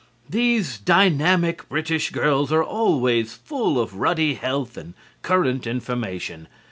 These dynamic British girls are always full of ruddy health and current information.